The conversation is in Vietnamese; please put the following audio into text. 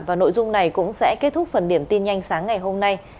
và nội dung này cũng sẽ kết thúc phần điểm tin nhanh sáng ngày hôm nay